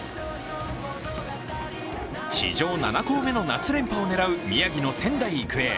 史上７校目の夏連覇を狙う宮城の仙台育英。